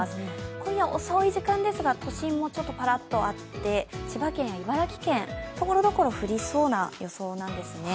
今夜遅い時間ですが都心もちょっとぱらっとあって千葉県や茨城県、ところどころ降りそうな予想なんですね。